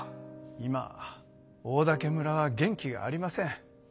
今オオダケ村は元気がありません。